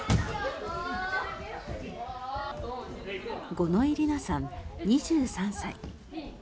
五ノ井里奈さん、２３歳。